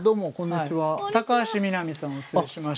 高橋みなみさんをお連れしました。